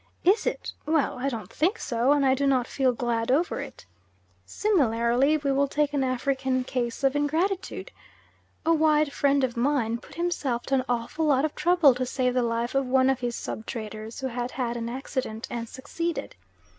Is it? Well I don't think so, and I do not feel glad over it. Similarly, we will take an African case of ingratitude. A white friend of mine put himself to an awful lot of trouble to save the life of one of his sub traders who had had an accident, and succeeded.